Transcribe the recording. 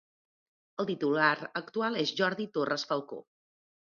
El titular actual és Jordi Torres Falcó.